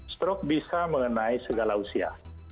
stroke bisa mengenai segala usia